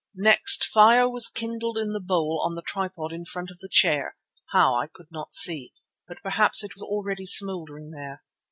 Next fire was kindled in the bowl on the tripod in front of the chair, how I could not see; but perhaps it was already smouldering there.